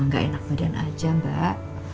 gak ada keadaan aja mbak